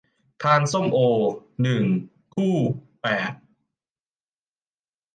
พานส้มโอ หนึ่ง คู่ แปด